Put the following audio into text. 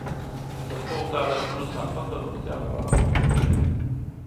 د خوب د عادتونو ساتل د روغتیا لپاره مهم دی.